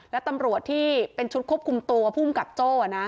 และตำรวจที่เป็นชุดควบคุมตัวภูมิกับโจ้นะ